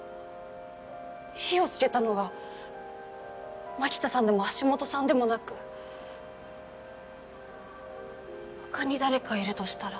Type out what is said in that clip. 火をつけたのが槙田さんでも橋本さんでもなく他に誰かいるとしたら？